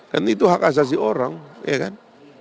kan itu hak asasi orang ya kan